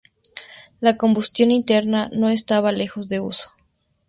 La combustión interna no estaba lejos de uso.